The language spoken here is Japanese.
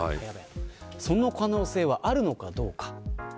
その可能性はあるのかどうか。